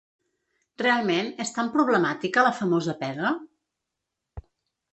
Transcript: Realment és tan problemàtica la famosa “pega”?